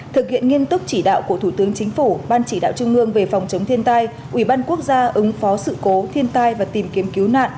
thực hiện nghiên tức chỉ đạo của thủ tướng chính phủ ban chỉ đạo trung ương về phòng chống thiên tai ủy ban quốc gia ứng phó sự cố thiên tai và tìm kiếm cứu nạn